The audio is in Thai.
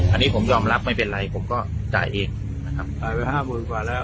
อันนี้ผมยอมรับไม่เป็นไรผมก็จ่ายเองนะครับจ่ายไปห้าหมื่นกว่าแล้ว